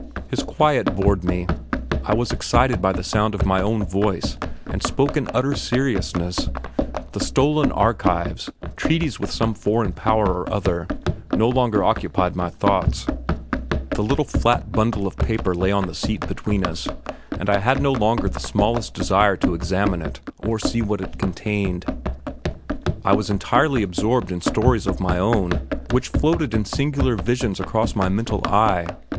His quiet bored me; I was excited by the sound of my own voice and spoke in utter seriousness; the stolen archives, treaties with some foreign power or other, no longer occupied my thoughts; the little flat bundle of paper lay on the seat between us, and I had no longer the smallest desire to examine it or see what it contained. I was entirely absorbed in stories of my own which floated in singular visions across my mental eye.